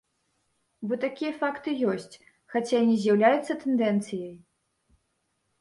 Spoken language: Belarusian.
Бо такія факты ёсць, хаця і не з'яўляюцца тэндэнцыяй.